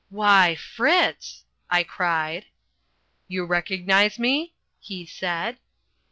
"Why, Fritz!" I cried. "You recognize me?" he said.